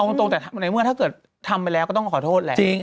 เอามาตรงแต่ใครมันก็ทำมัดไปแล้วก็ต้องขอโทษแหละ